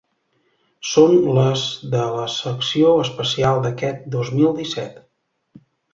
Són les de la secció especial d’aquest dos mil disset.